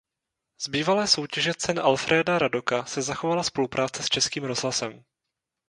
Z bývalé soutěže cen Alfréda Radoka se zachovala spolupráce s Českým rozhlasem.